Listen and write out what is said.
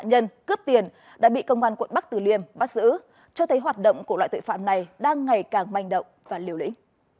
nạn nhân cướp tiền đã bị công an quận bắc tử liêm bắt giữ cho thấy hoạt động của loại tội phạm này đang ngày càng manh động và liều lĩnh